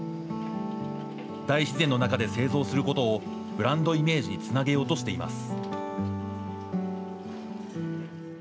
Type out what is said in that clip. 大自然の中で製造することをブランドイメージにつなげようとしています。